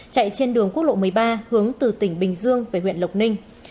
chạy trên đường quốc lộ một mươi ba hướng từ tỉnh bình dương về huyện lộc ninh